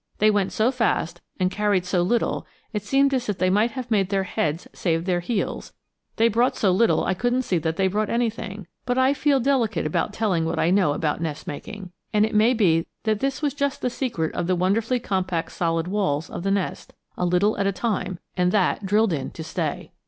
They went so fast and carried so little it seemed as if they might have made their heads save their heels they brought so little I couldn't see that they brought anything; but I feel delicate about telling what I know about nest making, and it may be that this was just the secret of the wonderfully compact solid walls of the nest; a little at a time, and that drilled in to stay.